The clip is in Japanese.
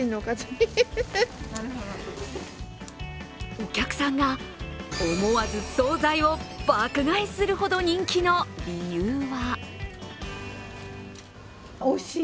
お客さんが思わず総菜を爆買いするほど人気の理由は？